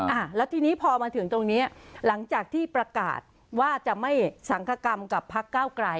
อ่าแล้วทีนี้พอมาถึงตรงเนี้ยหลังจากที่ประกาศว่าจะไม่สังคกรรมกับพักเก้าไกล